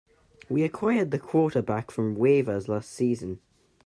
We acquired the quarterback from waivers last season.